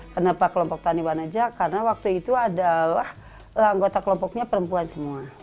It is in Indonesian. kenapa kelompok tani wanaja karena waktu itu adalah anggota kelompoknya perempuan semua